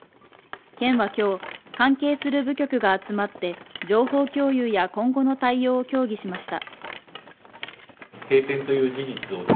県は、きょう関係する部局が集まって情報共有や今後の対応を協議しました。